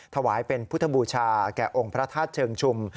ถวายเป็นพุทธบูชาแก่องค์พระธาตุเชิงชุม